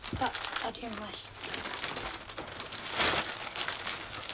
ありました。